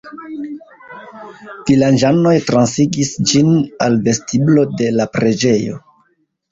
Vilaĝanoj transigis ĝin al vestiblo de la preĝejo.